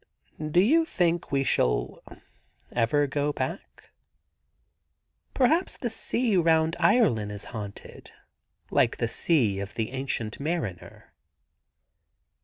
... Do you think we shall ever go back ?'' Perhaps the sea round Ireland is haunted, like the sea of the Ancient Mariner.'